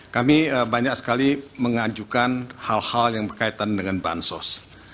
kami banyak sekali mengajukan hal hal yang berkaitan dengan bansos